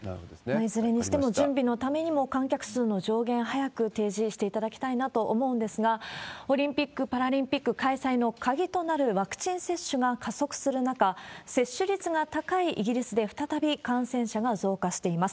いずれにしても、準備のためにも観客数の上限、早く提示していただきたいなと思うんですが、オリンピック・パラリンピック開催の鍵となるワクチン接種が加速する中、接種率が高いイギリスで、再び感染者が増加しています。